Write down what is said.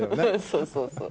そうそうそう。